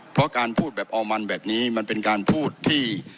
เพราะการพูดแบบออมมันแบบนี้มันเป็นการพูดที่